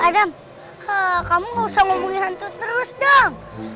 dam kamu nggak usah ngomongin hantu terus dam